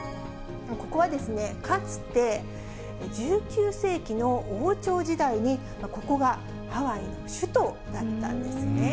ここはかつて、１９世紀の王朝時代に、ここがハワイの首都だったんですね。